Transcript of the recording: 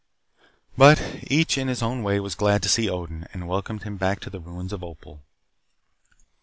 But each in his own way was glad to see Odin, and welcomed him back to the ruins of Opal.